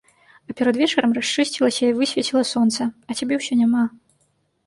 А перад вечарам расчысцілася і высвеціла сонца, а цябе ўсё няма.